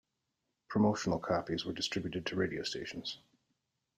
Promotional copies were distributed to radio stations.